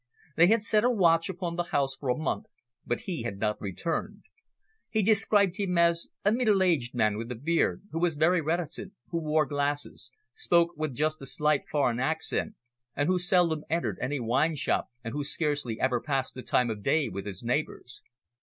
They had set a watch upon the house for a month, but he had not returned. He described him as, a middle aged man with a beard, who was very reticent, who wore glasses, spoke with just a slight foreign accent, and who seldom entered any wine shop and who scarcely ever passed the time of day with his neighbours.